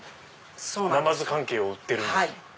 まず関係を売ってるんですか？